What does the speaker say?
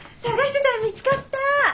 探してたら見つかった！